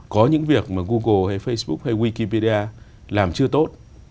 có những việc mà google hay facebook hay wikipedia làm chưa tốt